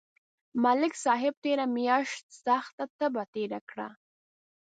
ملک صاحب تېره میاشت سخته تبه تېره کړه